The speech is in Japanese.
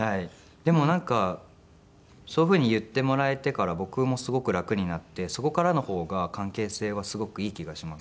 でもなんかそういうふうに言ってもらえてから僕もすごく楽になってそこからの方が関係性はすごくいい気がします。